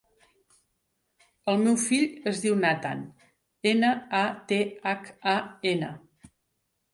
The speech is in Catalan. El meu fill es diu Nathan: ena, a, te, hac, a, ena.